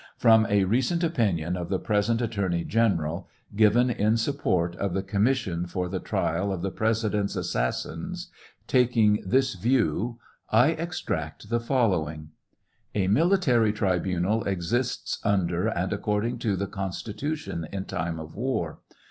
From a recent opinion of the present Attorney General, given in support of the commission for the trial of the President's assassins, taking this view, I extract the following : A military tribunal exists under and according to the Constitution in time of war.